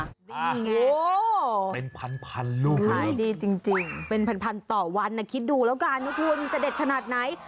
โอ้โฮเป็น๑๐๐๐ลูกค่ะเป็น๑๐๐๐ต่อวันนะคิดดูแล้วกันคุณจะเด็ดขนาดไหน